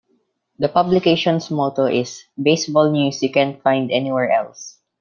The publication's motto is "Baseball news you can't find anywhere else.